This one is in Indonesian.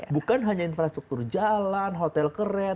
bukan hanya infrastruktur jalan hotel keren